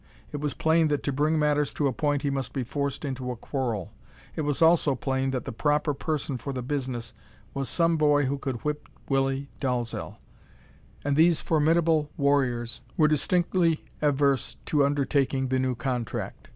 It was plain that to bring matters to a point he must be forced into a quarrel. It was also plain that the proper person for the business was some boy who could whip Willie Dalzel, and these formidable warriors were distinctly averse to undertaking the new contract.